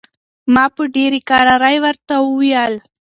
ما په ډېرې کرارۍ ورته وویل.